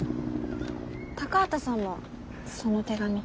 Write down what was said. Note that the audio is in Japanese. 高畑さんもその手紙。